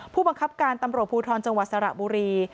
ผู้บังคับการตำรวจภูทรจังหวัดสระบุรี